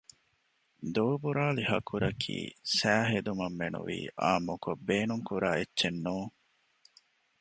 ދޯބުރާލި ހަކުރަކީ ސައިހެދުމަށް މެނުވީ އާންމުކޮށް ބޭނުން ކުރާ އެއްޗެއް ނޫން